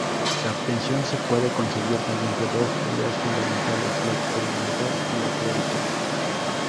La obtención se puede conseguir mediante dos vías fundamentales: la experimental y la teórica.